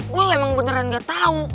gue emang beneran gak tau